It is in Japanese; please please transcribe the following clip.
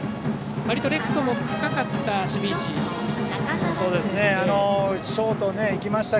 割とレフトの深かった守備位置でした。